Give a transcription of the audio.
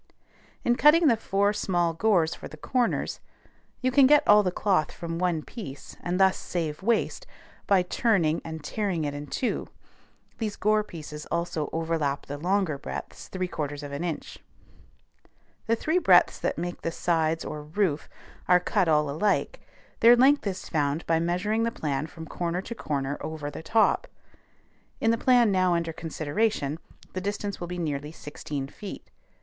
In cutting the four small gores for the corners, you can get all the cloth from one piece, and thus save waste, by turning and tearing it in two; these gore pieces also overlap the longer breadths 3/4 of an inch. The three breadths that make the sides or roof are cut all alike; their length is found by measuring the plan from corner to corner over the top; in the plan now under consideration, the distance will be nearly sixteen feet.